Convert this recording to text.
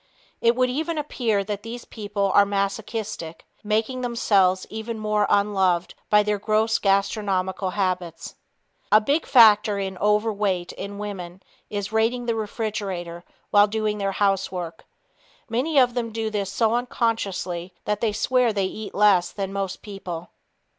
It would even appear that these people are masochistic, making themselves even more unloved by their gross gastronomical habits. A big factor in overweight in women is "raiding the refrigerator" while doing their housework. Most of them do this so unconsciously that they swear they eat less than most people.